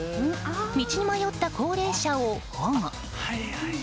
道に迷った高齢者を保護。